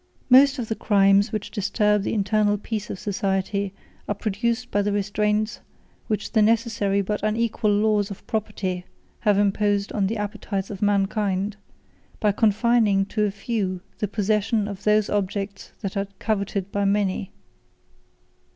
Most of the crimes which disturb the internal peace of society, are produced by the restraints which the necessary but unequal laws of property have imposed on the appetites of mankind, by confining to a few the possession of those objects that are coveted by many.